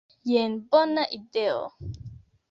Jen bona ideo.